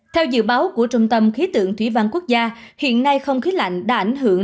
theo dự báo của trung tâm khí tượng thủy văn quốc gia hiện nay không khí lạnh đã ảnh hưởng